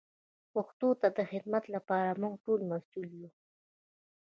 پښتو ته د خدمت لپاره موږ ټول مسئول یو.